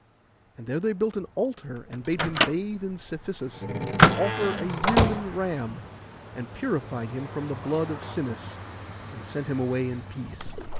And there they built an altar, and bade him bathe in Cephisus, and offer a yearling ram, and purified him from the blood of Sinis, and sent him away in peace.